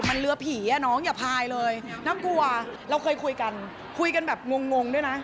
มันเรือผีอ่ะน้องอย่าพายเลยน่ากลัวเราเคยคุยกันคุยกันแบบงงงด้วยนะ